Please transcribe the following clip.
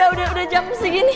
udah udah jam segini